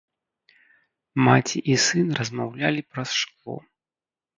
Маці і сын размаўлялі праз шкло.